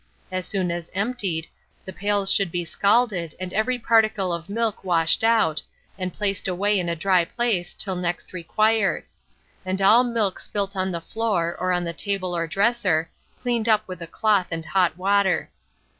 As soon as emptied, the pails should be scalded and every particle of milk washed out, and placed away in a dry place till next required; and all milk spilt on the floor, or on the table or dresser, cleaned up with a cloth and hot water.